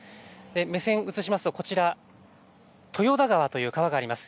目線、移しますとこちら、豊田川という川があります。